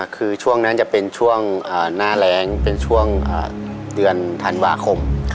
คือช่วงนั้นจะเป็นช่วงหน้าแรงเป็นช่วงเดือนธันวาคม